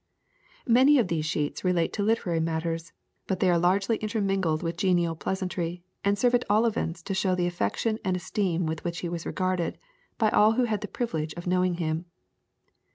Many of these sheets relate to literary matters, but they are largely intermingled With genial pleasantry, and serve at all events to show the affection and esteem with which he was regarded by all who had the privilege of knowing him.